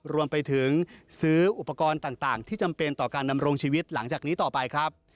รวมไปถึงซื้ออุปกรณ์ต่างที่จำเป็นต่อการดำรงชีวิตหลังจากนี้ต่อไปครับ